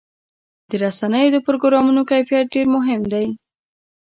د رسنیو د پروګرامونو کیفیت ډېر مهم دی.